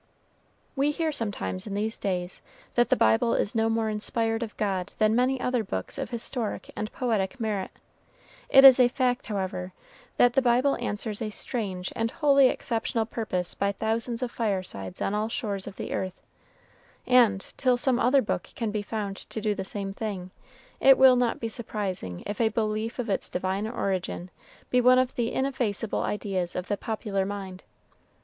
We hear sometimes in these days that the Bible is no more inspired of God than many other books of historic and poetic merit. It is a fact, however, that the Bible answers a strange and wholly exceptional purpose by thousands of firesides on all shores of the earth; and, till some other book can be found to do the same thing, it will not be surprising if a belief of its Divine origin be one of the ineffaceable ideas of the popular mind.